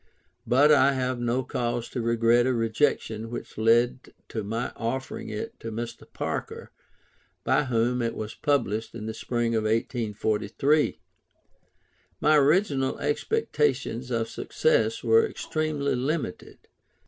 But I have had no cause to regret a rejection which led to my offering it to Mr. Parker, by whom it was published in the spring of 1843. My original expectations of success were extremely limited.